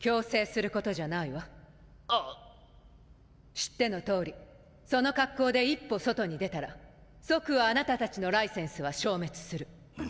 知ってのとおりその格好で一歩外に出たら即あなたたちのライセンスは消滅する。